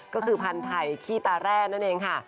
ก็คือพันธุ์ไทยขี้ตาแร่นั่นเองค่ะ